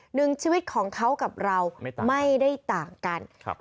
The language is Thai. หนึ่งชีวิตของเขากับเราไม่ได้ต่างกัน